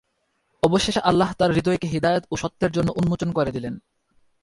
অবশেষে আল্লাহ তার হৃদয়কে হিদায়াত ও সত্যের জন্য উন্মোচন করে দিলেন।